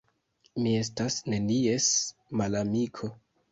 Mi estas nenies malamiko.